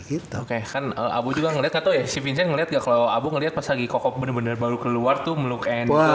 si vincent ngeliat gak kalo abu ngeliat pas koko bener bener baru keluar tuh meluk enzo